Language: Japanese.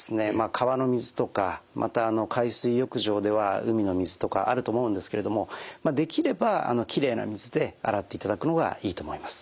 川の水とかまた海水浴場では海の水とかあると思うんですけれどもできればきれいな水で洗っていただくのがいいと思います。